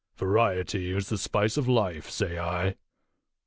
Variety is the spice of life, say I."